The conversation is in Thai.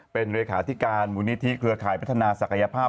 เป็นเลขาธิการมูลนิธิเครือข่ายพัฒนาศักยภาพ